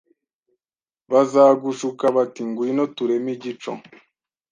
Bazagushuka bati Ngwino tureme igico